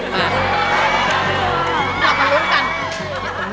มาลุ้นกัน